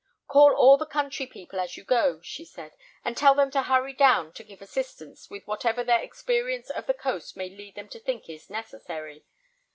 "Call all the country people as you go," she said; "and tell them to hurry down to give assistance with whatever their experience of the coast may lead them to think is necessary.